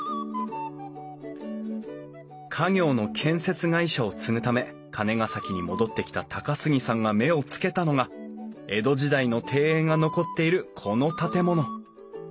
家業の建設会社を継ぐため金ケ崎に戻ってきた高杉さんが目をつけたのが江戸時代の庭園が残っているこの建物。